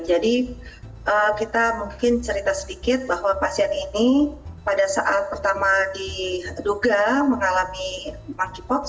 jadi kita mungkin cerita sedikit bahwa pasien ini pada saat pertama diduga mengalami monkeypox